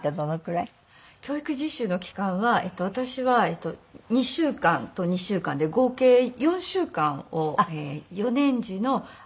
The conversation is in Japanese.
教育実習の期間は私は２週間と２週間で合計４週間を４年時の秋に行いました。